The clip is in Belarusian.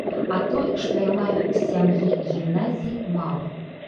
А той, што я маю з сям'і і гімназіі, мала.